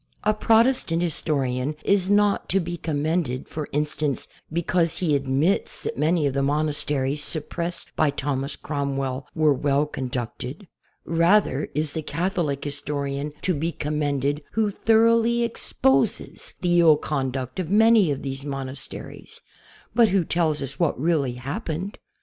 A Protestant historian is not to be commended, for instance, because he admits that many of the monasteries .suppressed by Thomas Cromwell were well conducted. Rather is the Catholic historian to be commended who thoroughly exposes the ill conduct of many of these mon asteries, but who tells us what really happened.